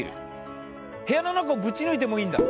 部屋の中をぶち抜いてもいいんだ。